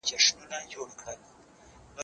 زه اوږده وخت ځواب ليکم؟!